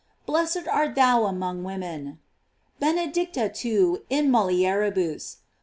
Blessed art thou among women: "Benedicta tu in naulieribus."